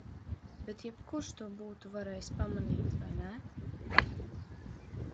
Bet jebkurš to būtu varējis pamanīt, vai ne?